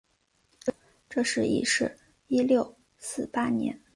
这时已是一六四八年。